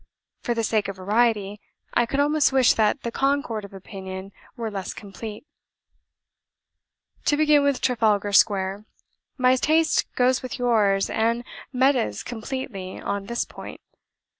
For the sake of variety, I could almost wish that the concord of opinion were less complete. "To begin with Trafalgar Square. My taste goes with yours and Meta's completely on this point.